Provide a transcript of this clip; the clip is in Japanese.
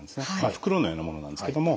袋のようなものなんですけども。